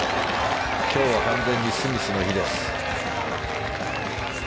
今日は完全にスミスの日です。